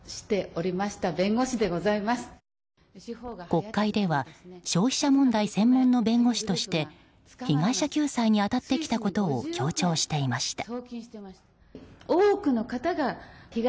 国会では消費者問題専門の弁護士として被害者救済に当たってきたことを強調していました。